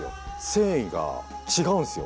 繊維が違うんですよ